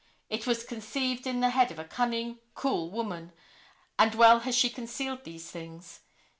It was conceived in the head of a cunning, cool woman, and well has she concealed these things.